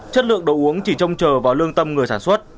chất lượng đồ uống chỉ trông chờ vào lương tâm người sản xuất